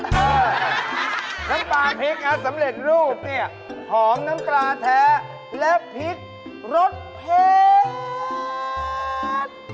น้ำปลาพริกอันสำเร็จรูปเนี่ยหอมน้ำปลาแท้และพริกรสเผ็ด